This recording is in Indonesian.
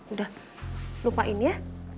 udah lupain ya